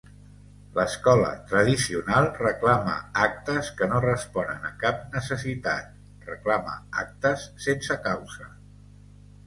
L’escola tradicional reclama actes que no responen a cap necessitat, reclama actes sense causa.